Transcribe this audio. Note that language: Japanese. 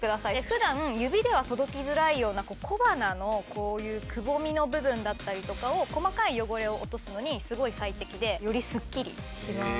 普段指では届きづらいような小鼻のこういうくぼみの部分だったりとかを細かい汚れを落とすのにすごい最適でよりすっきりします。